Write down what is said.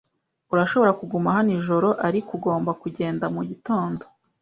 Urashobora kuguma hano ijoro, ariko ugomba kugenda mugitondo